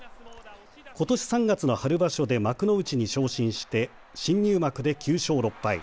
ことし３月の春場所で幕内に昇進して新入幕で９勝６敗。